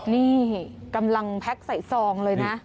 นี่กำลังแพ็คใส่ซองเลยนะ